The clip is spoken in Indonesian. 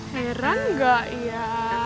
heran gak ya